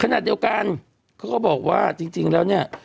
ขณะเดียวกันเขาก็บอกว่าจริงแล้วเนี่ย